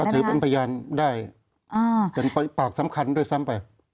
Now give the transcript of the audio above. ถือเป็นพยานได้เป็นปากสำคัญด้วยซ้ำไป